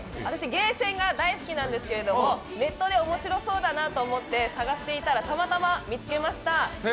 ゲーセンが大好きなんですけれども、ネットで面白そうだなと思って探していたらたまたま見つけました。